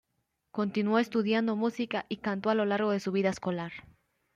Continuó estudiando música y canto a lo largo de su vida escolar.